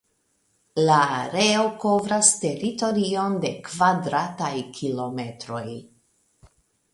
La areo kovras teritorion de kvadrataj kilometroj.